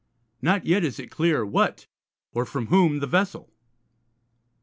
Not yet is it clear What, or from whom, the vessel.